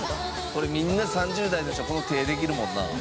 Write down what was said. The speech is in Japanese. これみんな３０代の人はこの手できるもんな。